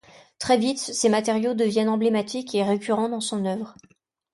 Très vite, ces matériaux deviennent emblématiques et récurrents dans son œuvre.